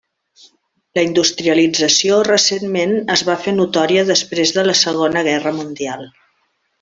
La industrialització recentment es va fer notòria després de la Segona Guerra Mundial.